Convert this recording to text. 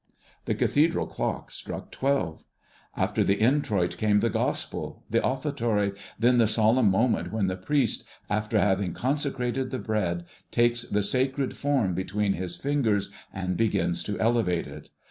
The cathedral clock struck twelve. After the introit came the Gospel, the offertory, then the solemn moment when the priest, after having consecrated the bread, takes the Sacred Form between his fingers and begins to elevate it.